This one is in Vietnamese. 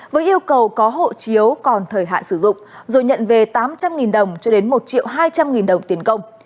với yêu cầu có hộ chiếu còn thời hạn sử dụng rồi nhận về tám trăm linh đồng cho đến một hai trăm linh đồng tiền công